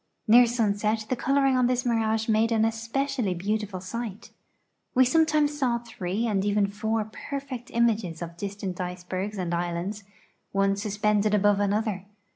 Near sunset the coloring on this mirage made an especially beautiful sight. We sometimes saw three and even four perfect images of distant icebergs and islands, one suspended above another.